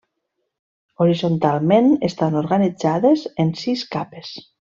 Horitzontalment, estan organitzades en sis capes.